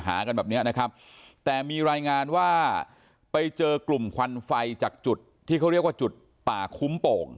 กันแบบเนี้ยนะครับแต่มีรายงานว่าไปเจอกลุ่มควันไฟจากจุดที่เขาเรียกว่าจุดป่าคุ้มโป่ง